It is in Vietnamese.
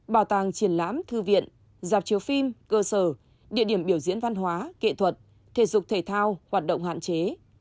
bảo tàng triển lãm thư viện dạp chiếu phim cơ sở địa điểm biểu diễn văn hóa nghệ thuật thể dục thể thao hoạt động hạn chế